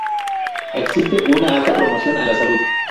Existe una alta promoción a la salud.